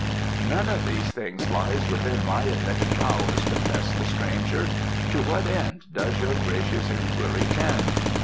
"None of these things lies within my admitted powers," confessed the stranger. "To what end does your gracious inquiry tend?"